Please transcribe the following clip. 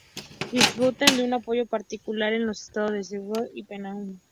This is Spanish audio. Disfruta de un apoyo particular en los estados de Selangor y Penang.